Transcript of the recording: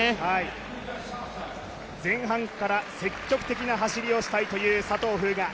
前半から積極的な走りをしたいという佐藤風雅。